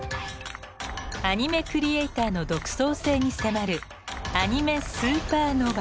アニメクリエーターの独創性に迫る